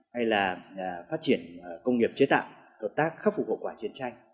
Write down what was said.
hay là phát triển công nghiệp chế tạo hợp tác khắc phục hậu quả chiến tranh